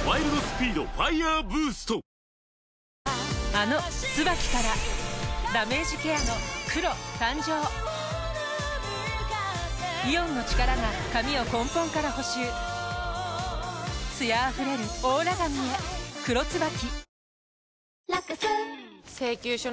あの「ＴＳＵＢＡＫＩ」からダメージケアの黒誕生イオンの力が髪を根本から補修艶あふれるオーラ髪へ「黒ＴＳＵＢＡＫＩ」